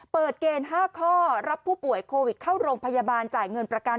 เปิดเกณฑ์๕ข้อรับผู้ป่วยโควิดเข้าโรงพยาบาลจ่ายเงินประกัน